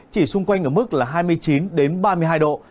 chỉ xung quanh ở mức là hai mươi chín ba mươi hai độ